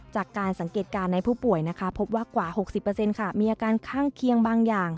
จากการสังเกตการณ์ในผู้ป่วยพบว่ากว่า๖๐มีอาการข้างเคียงบางอย่าง